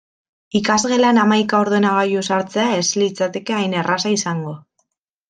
Ikasgeletan hamaika ordenagailu sartzea ez litzateke hain erraza izango.